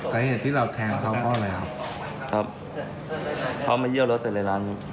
แต่เหตุที่เราแทงเขาเขาอะไรครับเขามาเยี่ยวแล้วเสร็จเลยร้านนี้